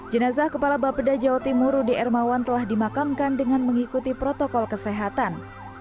jenazah kepala bapeda jawa timur rudy ermawan telah dimakamkan dengan mengikuti protokol kesehatan